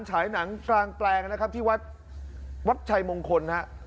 ฉายหนังกลางแปลงนะครับที่วัดวัดชัยมงคลฮะ